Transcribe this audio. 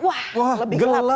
wah lebih gelap